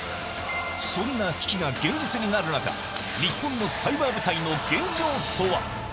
そんな危機が現実になる中、日本のサイバー部隊の現状とは。